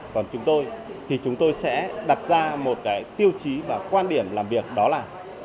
còn chúng tôi thì chúng tôi sẽ đặt ra một cái tiêu chí và quan điểm làm việc đó là